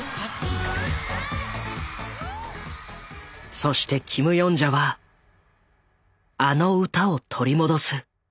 そしてキム・ヨンジャはあの歌を取り戻す。